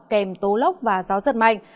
kèm tố lốc và gió giật mạnh